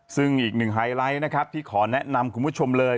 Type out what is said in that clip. ซึ่งอีกหนึ่งไฮไลท์นะครับที่ขอแนะนำคุณผู้ชมเลย